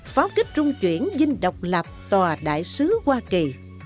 pháo kích trung chuyển dinh độc lập tòa đại sứ hoa kỳ